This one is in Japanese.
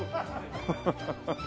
ハハハハハ！